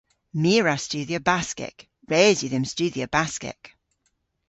My a wra studhya Baskek. Res yw dhymm studhya Baskek.